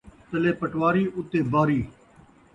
تلے پٹواری اُتے باری